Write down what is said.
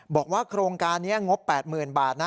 บอกว่าโครงการนี้งบ๘๐๐๐บาทนะ